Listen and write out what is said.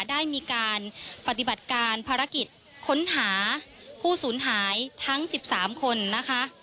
ได้มีการปฏิบัติการภารกิจค้นหาผู้สูญหายทั้ง๑๓คนนะคะ